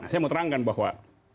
saya mau terangkan bahwa